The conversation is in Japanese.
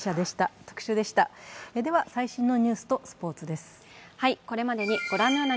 では最新のニュースとスポーツです。